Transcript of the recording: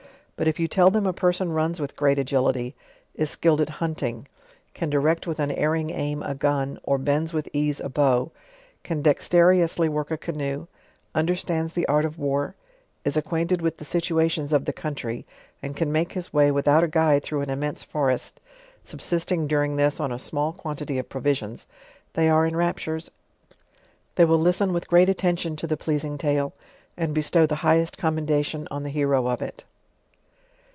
But if you tell them a person runs with great agility, is skilled in hunting, can di rect with unerring aim a gun, or bends with ease a bow, can dexteriously work a canoe, understands the art of war, is ac quainted with the situations of the country, and can make his way without a guide through an immense forest, subsist ing during this on a small quantity of provisions, they are in rapture?; they will listen with great attention to the pleasing tale, and bestow the highest commendation on the hero of it.